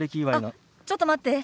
あっちょっと待って。